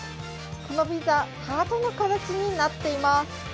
このピザ、ハートの形になっています。